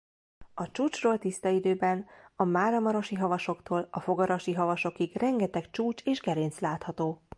A csúcsról tiszta időben a Máramarosi-havasoktól a Fogarasi-havasokig rengeteg csúcs és gerinc látható.